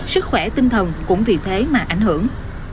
sức khỏe tinh thần cũng vì thế mà ảnh hưởng